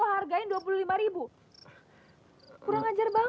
kurang ajar banget don